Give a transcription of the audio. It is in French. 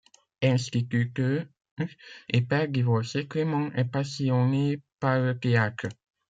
Instituteur et père divorcé, Clément est passionné par le théâtre.